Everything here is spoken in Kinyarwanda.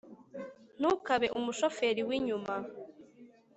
ntukabe umushoferi winyuma